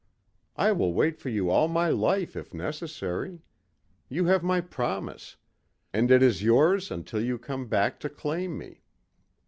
I will wait for you all my life, if necessary. You have my promise, and it is yours until you come back to claim me.